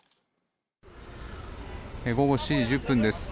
午後７時１０分です。